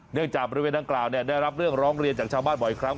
จากบริเวณดังกล่าวได้รับเรื่องร้องเรียนจากชาวบ้านบ่อยครั้ง